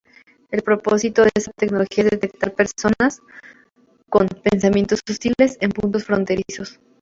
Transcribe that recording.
El propósito esta tecnología es de detectar personas con "pensamientos hostiles" en puntos fronterizos.